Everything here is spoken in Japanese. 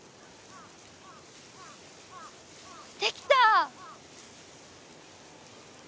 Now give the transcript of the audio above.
できた！